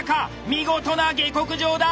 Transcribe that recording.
見事な下克上だ！